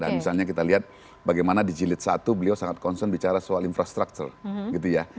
dan misalnya kita lihat bagaimana di jilid satu beliau sangat concern bicara soal infrastructure gitu ya